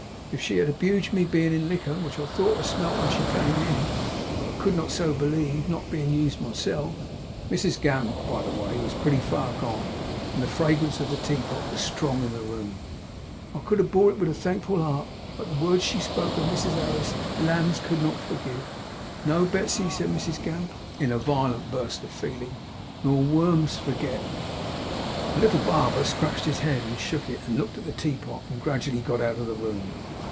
If she had abuged me, bein' in liquor, which I thought I smelt her wen she come, but could not so believe, not bein' used myself' Mrs Gamp, by the way, was pretty far gone, and the fragrance of the teapot was strong in the room 'I could have bore it with a thankful art. But the words she spoke of Mrs Harris, lambs could not forgive. No, Betsey!' said Mrs Gamp, in a violent burst of feeling, 'nor worms forget!' The little barber scratched his head, and shook it, and looked at the teapot, and gradually got out of the room.